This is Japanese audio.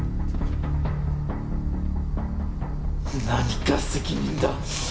何が責任だ！